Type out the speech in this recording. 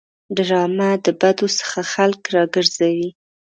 ډرامه د بدو څخه خلک راګرځوي